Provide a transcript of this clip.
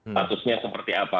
statusnya seperti apa